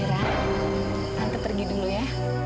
amira tante pergi dulu ya